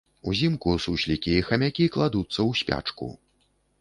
Узімку суслікі і хамякі кладуцца ў спячку.